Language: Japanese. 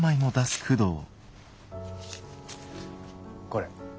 これ。